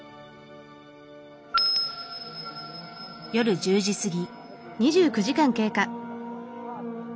夜１０時過ぎ。